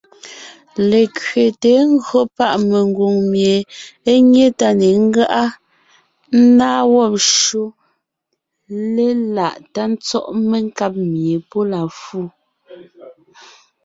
Lekẅeté (ńgÿo páʼ ) mengwòŋ mie é nyé tá ne ńgáʼa, ńnáa wɔ́b shÿó léláʼ tá tsɔ́ʼ menkáb mie pɔ́ la fu,